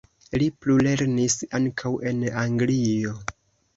Li plulernis ankaŭ en Anglio.